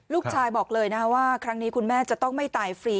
ลูกชายบอกเลยนะว่าครั้งนี้คุณแม่จะต้องไม่ตายฟรี